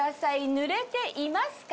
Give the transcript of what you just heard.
濡れていますか？